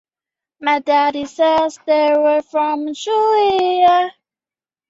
也在日本投降后见到国民党军政人员接收上海的贪污腐败。